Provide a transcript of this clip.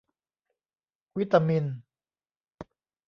วิตามิน